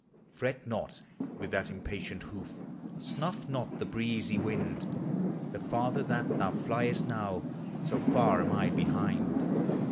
Fret not with that impatient hoof, — snuff not the breezy wind, — The farther that thou fliest now, so far am I be hind ; ANIMATE NATURE.